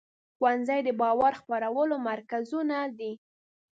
ښوونځي د باور خپرولو مرکزونه دي.